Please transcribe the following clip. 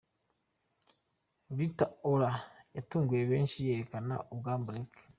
Rita Ora yatunguye benshi yerekana ubwambure bwe.